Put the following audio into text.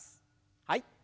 はい。